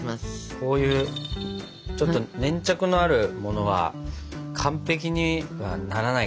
こういうちょっと粘着のあるものは完璧にはならないからね。